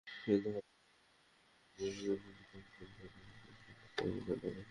কিন্তু হাতে গোনা অল্প কজন ছদ্মবেশী যোদ্ধাই ঘাম ঝরিয়ে ছাড়লেন খাকি সেনাবাহিনীর।